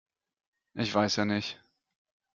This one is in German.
Ich weiß ja nicht.